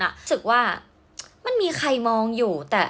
รู้สึกว่ามันมีใครมองอยู่แต่